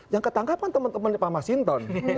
yang ketangkap kan teman teman pak mas hinto